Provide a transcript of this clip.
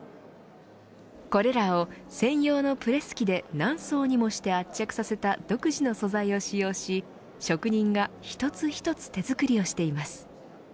これらを専用のプレス機で何層にもして圧着させた独自の素材を使用し職人が一つ一つ手作りをしています。